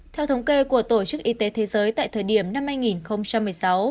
theo thống kê của tổ chức y tế thế giới tại thời điểm năm hai nghìn một mươi sáu